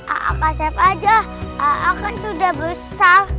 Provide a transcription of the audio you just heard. a'a pasif saja a'a kan sudah besar